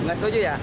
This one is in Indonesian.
enggak setuju ya